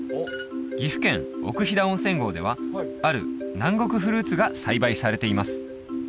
岐阜県奥飛騨温泉郷ではある南国フルーツが栽培されています